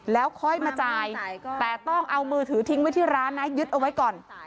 แล้วค่อยมาจ่ายแต่ต้องเอามือถือทิ้งไว้ที่ร้านนะยึดเอาไว้ก่อน